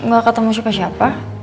gak ketemu suka siapa